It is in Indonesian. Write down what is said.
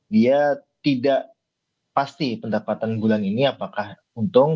dia tidak pasti pendapatan bulan ini apakah untung